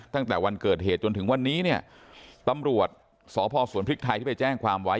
ตั้งแต่วันเกิดเหตุจนถึงวันนี้เนี่ยตำรวจสพสวนพริกไทยที่ไปแจ้งความไว้